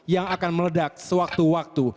yang akan meledak sewaktu waktu